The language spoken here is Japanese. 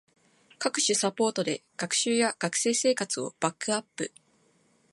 各種サポートで学習や学生生活をバックアップ